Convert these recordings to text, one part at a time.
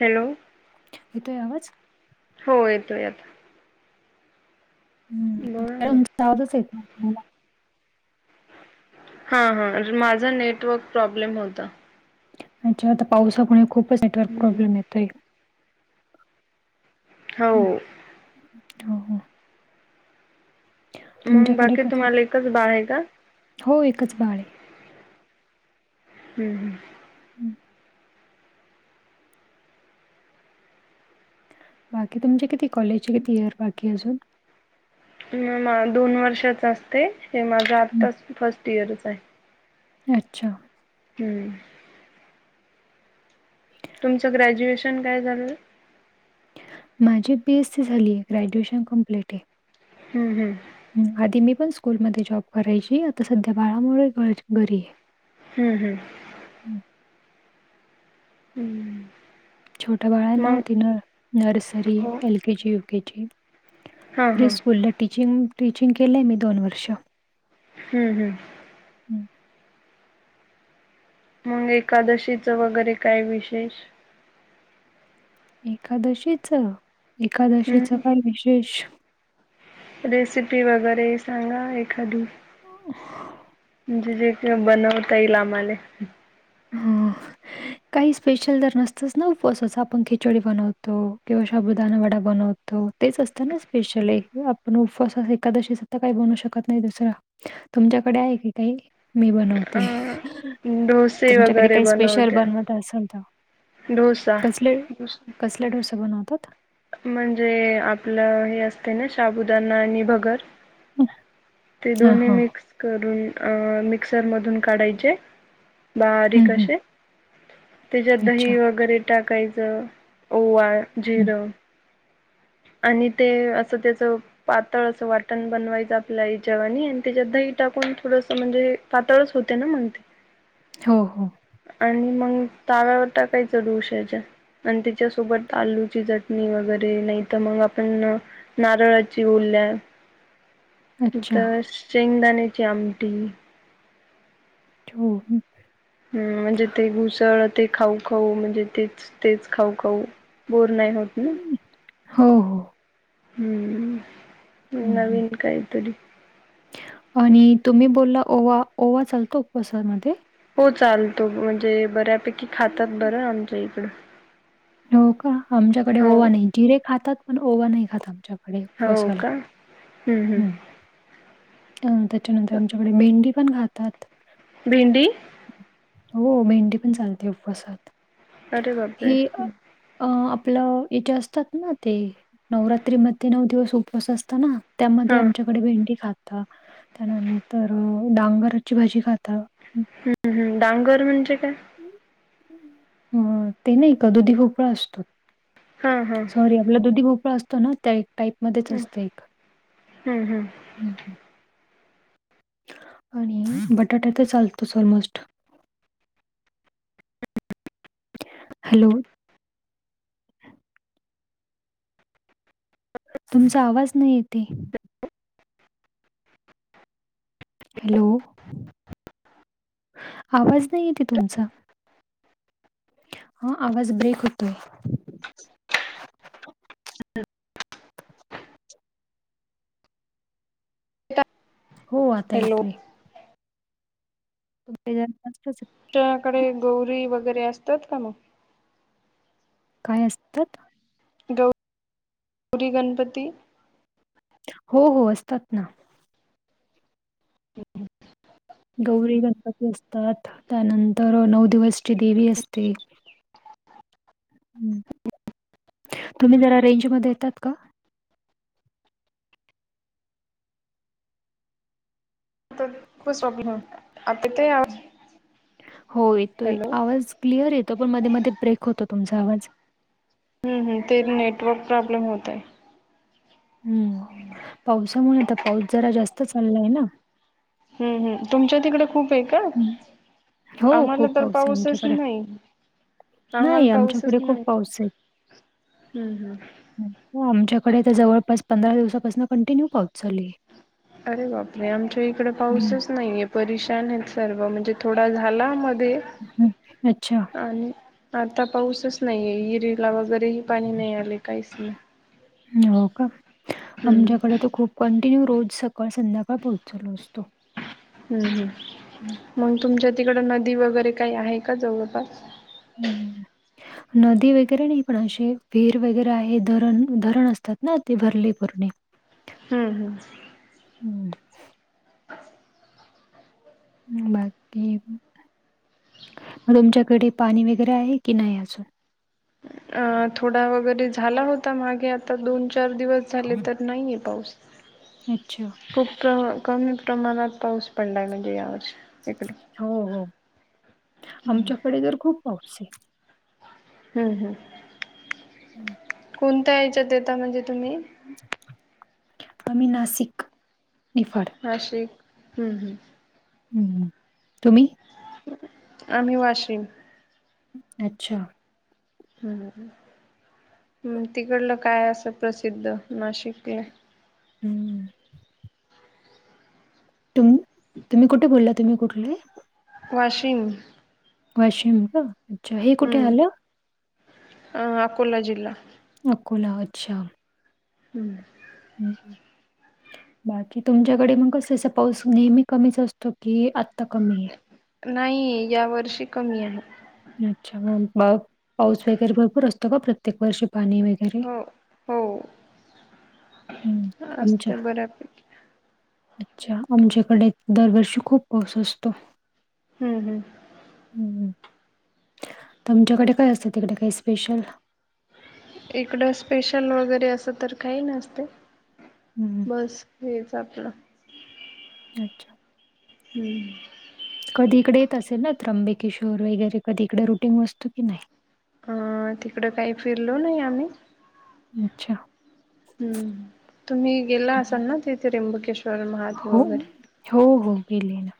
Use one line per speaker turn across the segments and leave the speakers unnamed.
Hello.
येतोय आवाज.
होय येतोय आता. बोला ना.
आवाजचं येत नव्हता मला.
हा हा, माझं नेटवर्क प्रॉब्लेम होतं.
अच्छा आता पावसामुळे खूपच नेटवर्क प्रॉब्लेम येतोय का.
हो.
होना.
मग
तुमच्याकडे
बाकी
कसं
तुम्हांला एकच बाळ आहे का?
हो एकच बाळये.
हम् हम.
हम्म. बाकी तुमचे किती कॉलेजचे, किती इयर बाकीय अजून.
म मा दोन वर्षाच असते हे, माझं
हं.
आत्ताच फर्स्ट इयरचाय.
अच्छा.
हम्म. तुमचं ग्रॅज्युएशन काय झालंय.
माझी बी एस सी झालीये, ग्रॅज्युएशन कंप्लिट ये.
हम्म हम्
आधी मी पण स्कूलमध्ये जॉब करायची, आता सध्या बाळामुळे घरी आहे.
हम्म हम्
हं.
हम्म
छोट्या बाळांना
मग
होती ना, नर्सरी,
हो.
L. K. G, U. K. G.
हा हा
प्रिसस्कूलला टीचिंग, टीचिंग केलंय मी दोन वर्ष.
हम्म हम्म.
हं.
मग एकादशीचं वगैरे काय विशेष?
एकादशीच, एकादशीच
हम्म
काय विशेष?
रेसिपी वगैरे सांगा एखादी,
हो. [unintelligible]
म्हणजे जे बनवता येईल आम्हाले.
हो. काही स्पेशल तर नसतच ना, उपवासाच आपण खिचडी बनवतो, किंवा शाबुदाना वडा बनवतो तेच असत ना स्पेशलि आपण उपवासाच एखकादशीचत काही बनू शकत नाही दुसर. तुमच्याकडे आहे की काही? मी
अ
बनवते,
डोसे वगैरे बनवत्या.
काय सांगता,
डोसा
कसले? कसले डोसे बनवतात?
म्हणजे आपलं हे असते ना, शाबुदाणा आणि भगर. ते
हां,
दोन्ही
हां.
मिक्स. करून अ मिक्सर मधून काढायचे,
हं,
बारीक
हं.
असे. त्याच्यात
अच्छा.
दही वगैरे टाकायचं, ओवा,
हं.
जिरं. आणि ते असं त्याच. पातळ असं वाटण बनवायचं आपल्या हेच्या वाणी, आणि त्याच्यात दही टाकून थोडस म्हणजे. पातळच होते ना मंग ते?
हो हो.
आणि मग ताव्यावर टाकायचं डोस्याच्या. आणि त्याच्यासोबत, आलूची चटणी वगैरे नाही.. तर मग आपण नारळाची ओल्या,
अच्छा.
तर.. शेंगदाण्याची आमटी.
हो..
हम म्हणजे ते घुसळ, ते खाऊ खाऊ म्हणजे तेच तेच खाऊ खाऊ, बोर नाही होत ना?
हो हो.
हम्म,
हं, हं.
नवीन काहीतरी.
आणि तुम्ही बोलला ओवा, ओवा चालतो उपवासा मध्ये?
हो चालतो, म्हणजे बऱ्यापैकी खातात बरं आमच्या इकडे.
हो का आमच्याकडे
हो
ओवा नाही, जिरे खातात पण, ओवा नाही खाता आमच्याकडे. आणि
हो
उपवासाला
का हम्म
हं.
हम्म
अं त्याच्यानंतर आमच्या कडे भेंडी पण खातात.
भेंडी?
हो भेंडी पण चालते उपवासात,
अरे बापरे
हे अ आपलं येचे असतात ना ते, नवरात्रीमध्ये नऊ दिवस उपवास असत ना. त्यामध्ये
हा
आमच्याकडे भेंडी खाता, त्यानंतर डांगरची भाजी खाता.
हम्म हम्, डांगर म्हणजे काय?
हं ते नाही का दुधी भोपळा असतो.
हां हां.
म्हणजे आपला दुधी भोपळा असतो ना, त्या टाईप मध्येच
हम्म
असतं एक.
हम्म.
आणि बटाटा तर चालतोच ऑलमोस्ट. हॅलो. तुमचा आवाज नाही येतेय. हॅलो, आवाज नाही येते तुमचा. हां आवाज ब्रेक होतोय. हो आता
हॅलो
येतोय. तेज्यातनच [unintelligible]
च्याकडे गौरी वगैरे असतात का मग?
काय असतात?
गौरी गणपती?
हो हो असतात ना. गौरी गणपती असतात, त्यानंतर नऊ दिवसची देवी असते.
[inaudible]
तुम्ही जरा रेंजमध्ये येतात का?
[unintelligible] नव्हता. आता काय
हो येतोय
हॅलो
आवाज. क्लिअर येतो, पण मध्ये मध्ये ब्रेक होतो तुमचा आवाज.
हं हं ते नेटवर्क प्रॉब्लेम होताय.
हम्म पावसामुळे आता पाऊस जरा जास्त चाललाय ना.
हं हं तुमच्या तिकडे खूप पण हाय का?
हं. हो,
आम्हाला
खूप
तर
पाऊस आहे
पाऊसच
आमच्याकडे.
नाही. आम्हाला
नाही
पाऊसच
आमच्याकडे खूप
नाही
पाऊस आहे.
हम्म हम्म.
हो आमच्याकडे तर जवळपास पंधरा दिवसापासनं कंटिन्यू पाऊस चालू हाय.
अरे बापरे आमच्या इकडे
हं,
पाऊसच नाहीये. परेशान आहेत सर्व, म्हणजे थोडा झाला मध्ये
हं अच्छा.
आणि आता पाऊसच नाहीये. हिरीला वगैरेही पाणी नाही आले काहीसना.
हो का. आमच्याकडे तर खूप कंटिन्यू रोज सकाळ संध्याकाळ पाऊस चालू असतो.
हं हं
हं,
मग तुमच्या तिकडं नदी वगैरे काय आहे का जवळपास?
अं हम्म. नदी वगैरे नाही, पण असे विहिर वगैरे आहे धरण धरण असतात ना ते भरले पूरणे. [unintelligible]
हम्म हम्म.
[inaudible] बाकी, मग तुमच्याकडे पाणी वगैरे आहे की नाही अजून?
अं थोडा वगैरे झाला होता मागे आता दोन चार दिवस झाले तर नाहीये पाऊस.
अच्छा.
खूप प्र कमी प्रमाणात पाऊस पडला आहे म्हणजे यावर्षी. इकडे.
हो हो, आमच्याकडे तर खूप पाऊस आहे.
हम्म हम्म.
हम्म.
कोणत्या ह्याच्यात येता, म्हणजे तुम्ही?
अमि नासिक, निफाड.
नाशिक हम्म हम्म.
तुम्ही?
आम्ही वाशीम.
अच्छा!
हम् तिकडलं काय असं प्रसिद्ध? नाशिकले,
हम्म. तुम्ही तुम्ही कुठे बोलला? तुम्ही कुठले?
वाशिम.
वाशिम का? अच्छा हे कुठे
हम्म
आलं?
अ अकोला जिल्हा.
अकोला अच्छा.
हम्म.
हं. बाकी तुमच्याकडे मग कसं असं, पाऊस नेहमी कमी असतो की आत्ता कमी. आहे?
नाही, या वर्षी कमी आहे.
अच्छा मग पाऊस वगैरे भरपूर असतो का? प्रत्येक वर्षी पाणी वगैरे?
हो हो
हं. आमच्या
असते बऱ्यापैकी.
अच्छा आमच्याकडे दरवर्षी खूप पाऊस असतो.
हम्म हम्म.
हम् तुमच्याकडे काय असतं? तिकडे काही स्पेशल?
इकडं स्पेशल वगैरे असं तर काही नसतं.
हम्म.
बस हेच आपलं.
अच्छा!
हम्म.
कधी इकडे येत असेल ना? त्रंबकेश्वर वगैरे कधी इकडे रुटीन असतो की नाही.
अ काही फिरलो नाही आम्ही.
अच्छा!
हम्म तुम्ही गेला
हं.
असाल ना? ते त्र्यंबकेश्वर महादेव.
हो
वगैरे
हो हो गेले ना.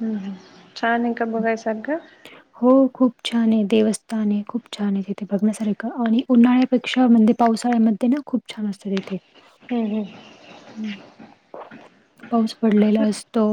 हम्म हम् छान आहे का
हं.
बघाय सारखं.
हो खूप छान आहे देवस्थान आहे, खूप छान आहे तिथे बघण्यासारखं आणि उन्हाळ्या पेक्षा म्हणजे पावसाळ्यामध्ये ना, खूप छान असतं तेथे.
हम्म हम्म.
हम्म हम्म पाऊस पडलेला असतो.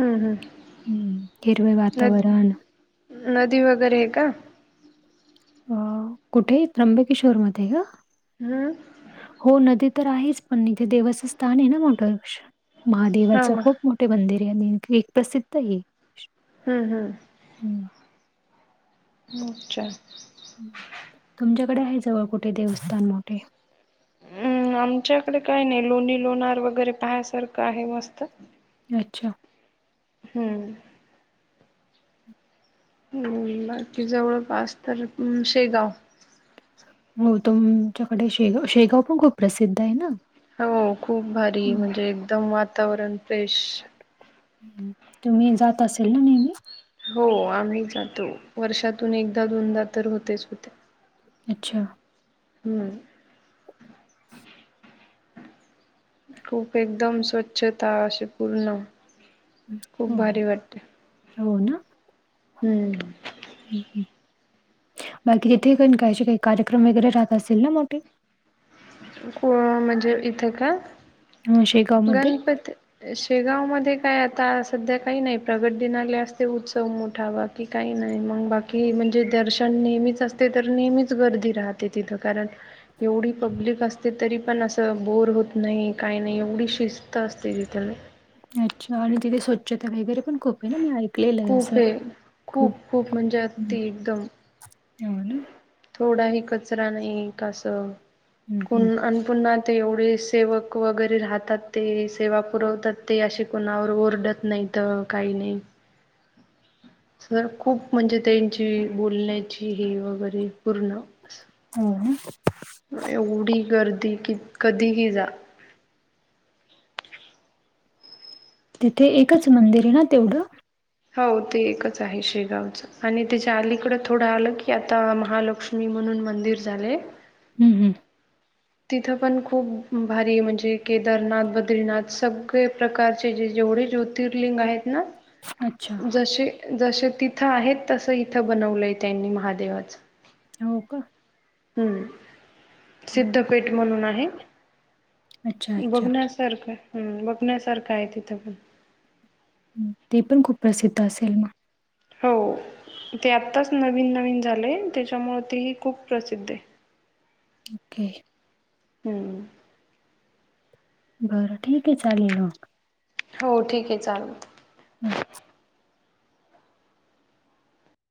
हम्म हम्म
हम्म हिरवे
नदी
वातावरण.
नदी वगैरे आहे का?
अ कुठे? त्र्यंबकेश्वर मध्ये का?
हम्म.
हो नदी तर आहेच, पण इथे देवाचं स्थान आहे ना मोठं महादेवाच
हा
खूप
मग
खूप मोठे मंदिर आणि एक प्रसिद्ध आहे.
हं हं.
हं.
अच्छा.
तुमच्याकडे आहे जवळ कुठे देवस्थान मोठे?
हम्म आमच्याकडे काही नाही लोणी लोणार वगैरे पाहयसारखं आहे मस्त.
अच्छा.
हं. हं बाकी जवळपास तर शेगाव.
हो तुमच्याकडे शेगाव शेगाव पण खूप प्रसिद्ध आहे ना?
हो खूप भारी
हं.
म्हणजे एकदम वातावरण फ्रेश.
तुम्ही जात असेल ना नेहमी?
हो आम्ही जातो वर्षातून एकदा दोनदा तर होतेच होतंय.
अच्छा
ह खूप एकदम स्वच्छता अशी पूर्ण,
हं.
खूप
हो,
भारी वाटतय.
हो ना.
हम्म
बाकी तिथे पण कायचे काही कार्यक्रम वगैरे राहत असतील ना मोठे.
को म्हणजे इथं का
अ, शेगावमध्ये?
गणपती. शेगाव मध्ये काय आता सध्या काही नाही प्रगट दिनाले असते उत्सव मोठावा. की काही नाही मग बाकी म्हणजे दर्शन नेहमीच असते तर नेहमीच गर्दी राहते तिथं कारण. एवढी पब्लिक. असते तरी पण असं बोर होत नाही काही नाही एवढी शिस्त असते तिथ.
अच्छा आणि तिथे स्वच्छता वगैरे पण खूप. ना मी ऐकलेलं आहे अस
खूप हे
खूप
म्हणजे
हो
अति एकदम
ना.
थोडाही कचरा नाही कास
हं, हं.
पुन्हा. ते एवढे सेवक वगैरे राहतात ते सेवा पुरवतात ते असे कुणावर ओरडत नाहीत. त काई नाही.
[inaudible]
सर खूप म्हणजे त्यांची बोलण्याची हे वगैरे पूर्ण.
हो ना.
एवढी गर्दी कि कधीही जा.
तिथे एकच मंदिर आहे ना तेवढं?
हो ते एकच आहे शेगावचं आणि त्याच्या अलीकडं थोडं आलं की आता महालक्ष मी म्हणून मंदिर झाले.
हम्म हम्म.
तिथं पण खूप भारी म्हणजे केदारनाथ बद्रीनाथ सगळे प्रकारचे जे जेवढे जो तीर्लिंग आहेत ना
अच्छा.
जसे. जसे तिथं आहेत तस इथं बनवलंय त्यांनी महादेवाचं.
हो का?
हम्म
हं.
सिद्धपेठ म्हणून आहे.
अच्छा, अच्छा.
बघण्यासारखं हम्म बघण्यासारखं आहे तिथं पण.
ते पण खूप प्रसिद्ध असेल मग.
हो ते आत्ताच नवीन नवीन झाले त्याच्यामुंळ तेही खूप प्रसिद्ध आहे.
ओके.
हम्म.
बरं ठीक आहे चालेल मग.
हो, ठीक ये चालेल.
हम्.